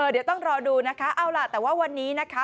เดี๋ยวต้องรอดูนะคะเอาล่ะแต่ว่าวันนี้นะคะ